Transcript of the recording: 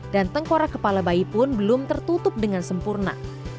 dan tengkorak kepala bayi pun belum tertutup dengan sempurna